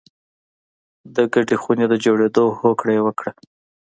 د ګډې خونې د جوړېدو هوکړه یې وکړه